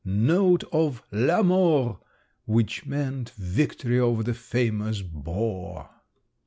note of 'La Mort!' which meant victory over the famous boar!